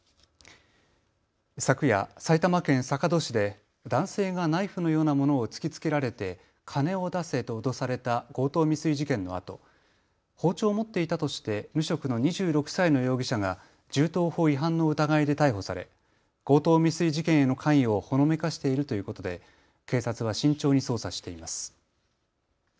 昨夜、埼玉県坂戸市で男性がナイフのようなものを突きつけられて金を出せと脅された強盗未遂事件のあと包丁を持っていたとして無職の２６歳の容疑者が銃刀法違反の疑いで逮捕され強盗未遂事件への関与をほのめかしているということで警察は慎重に捜査しています。